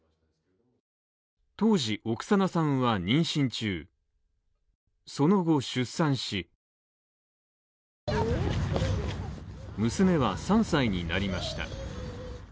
当時、オクサナさんは妊娠中その後、出産し娘は３歳になりました。